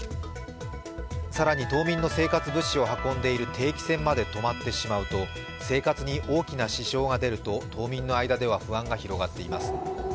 更に島民の生活物資を運んでいる定期船まで止まってしまうと生活に大きな支障が出ると島民の間では不安が広がっています。